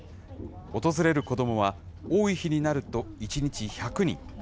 訪れる子どもは多い日になると１日１００人。